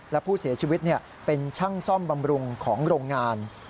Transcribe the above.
และผู้เสียชีวิตเป็นช่างซ่อมบำรุงของโรงงาน